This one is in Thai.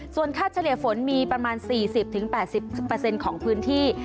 ส่วนค่าเฉลี่ยฝนมีประมาณ๔๐๘๐ของพื้นที่